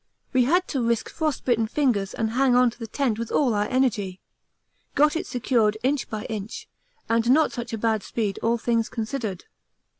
We had to risk frostbitten fingers and hang on to the tent with all our energy: got it secured inch by inch, and not such a bad speed all things considered.